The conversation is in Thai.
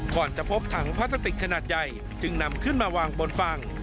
ก่อนจะพบถังพลาสติกขนาดใหญ่จึงนำขึ้นมาวางบนฝั่ง